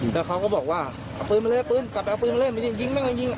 แล้วเขาก็บอกว่าเอาปืนมาเลยปืนกลับไปเอาปืนมาเล่นไม่ได้ยิงแม่ยิง